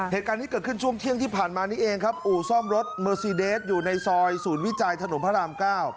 เหตุการณ์นี้เกิดขึ้นช่วงเที่ยงที่ผ่านมานี้เองครับอู่ซ่อมรถเมอร์ซีเดสอยู่ในซอยศูนย์วิจัยถนนพระราม๙